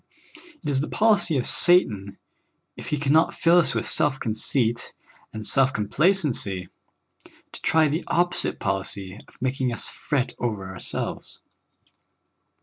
It is the polic}' of Satan, if he can not fill us with self conceit and self complacenc}^ to tr}^ the opposite polic}^ of making us fret over ourselves.